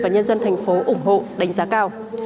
và nhân dân thành phố ủng hộ đánh giá cao